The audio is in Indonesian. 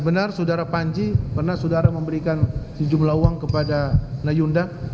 benar saudara panji pernah saudara memberikan sejumlah uang kepada nayunda